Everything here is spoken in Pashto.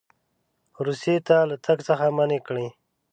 روسیې ته له تګ څخه منع کړي.